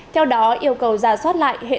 theo đó yêu cầu giả soát lại hệ thống